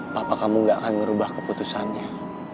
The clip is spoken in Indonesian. papa kamu gak akan merubah keputusannya